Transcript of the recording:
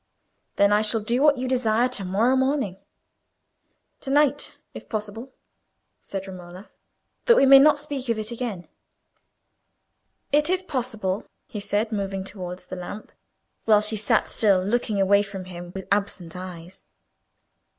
"Then I will do what you desire to morrow morning." "To night, if possible," said Romola, "that we may not speak of it again." "It is possible," he said, moving towards the lamp, while she sat still, looking away from him with absent eyes.